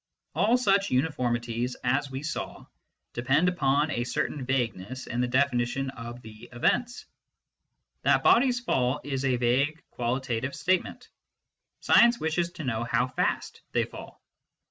All such uniformities, as we saw, depend upon a certain vagueness in the definition of the " events." That bodies fall is a vague qualitative statement ; science wishes to know how fast they fall.